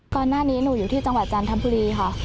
ก่อนหน้านี้หนูอยู่ที่จังหวัดจันทบุรีค่ะ